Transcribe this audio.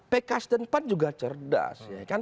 pks dan pan juga cerdas